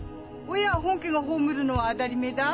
親は本家が葬るのは当たりめえだ。